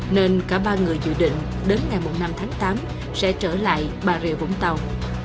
nên cả ba người dự định đến ngày năm tháng tám sẽ trở lại bà rịa vũng tàu